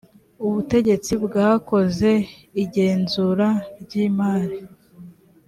ubutegetsi bwakoze igenzura ry imari